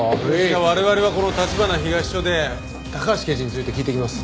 じゃあ我々はこの立花東署で高橋刑事について聞いてきます。